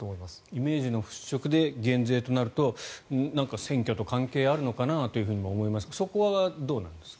イメージの払しょくで減税となると選挙と関係あるのかなと思いますがそこはどうなんですか。